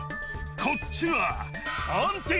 こっちは。